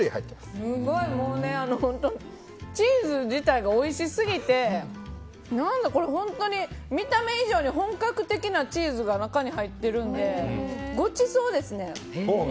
すごいチーズ自体がおいしすぎてこれ本当に見た目以上に本格的なチーズが中に入っているのでごちそうですね。